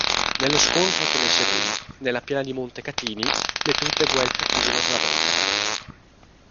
Nello scontrò che ne seguì, nella piana di Montecatini, le truppe guelfe furono travolte.